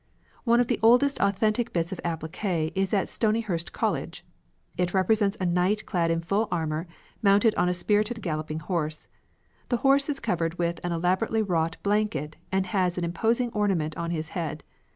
One of the oldest authentic bits of appliqué is at Stonyhurst College. It represents a knight clad in full armour, mounted on a spirited galloping horse. The horse is covered with an elaborately wrought blanket and has an imposing ornament on his head.